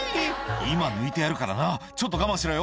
「今抜いてやるからなちょっと我慢しろよ」